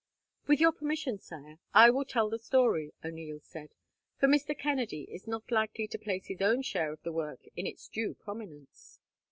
"With your permission, Sire, I will tell the story," O'Neil said, "for Mr. Kennedy is not likely to place his own share of the work in its due prominence."